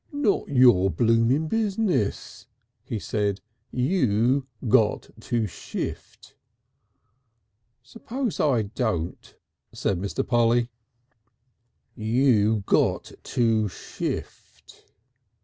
"Not your blooming business," he said. "You got to shift." "S'pose I don't," said Mr. Polly. "You got to shift."